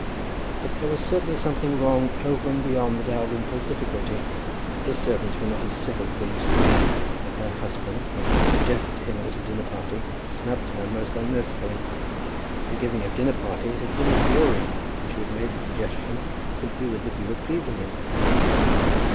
But there was certainly something wrong over and beyond the Dalrymple difficulty. The servants were not as civil as they used to be, and her husband, when she suggested to him a little dinner party, snubbed her most unmercifully. The giving of dinner parties had been his glory, and she had made the suggestion simply with the view of pleasing him.